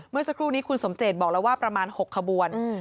เมื่อสักครู่นี้คุณสมเจตบอกแล้วว่าประมาณ๖ขบวน